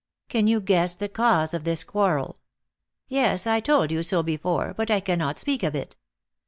"Can you guess the cause of this quarrel?" "Yes. I told you so before; but I cannot speak of it."